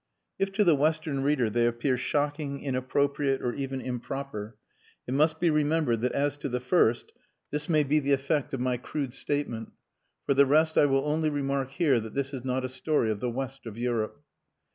If to the Western reader they appear shocking, inappropriate, or even improper, it must be remembered that as to the first this may be the effect of my crude statement. For the rest I will only remark here that this is not a story of the West of Europe.